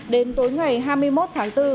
đến tối ngày hai mươi một tháng bốn